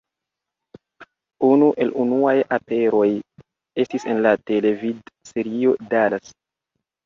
Unu el unuaj aperoj estis en la televidserio Dallas.